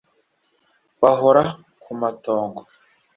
bahora kumatongo